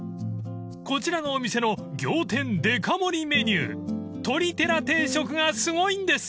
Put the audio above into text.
［こちらのお店の仰天デカ盛りメニューとりテラ定食がすごいんです］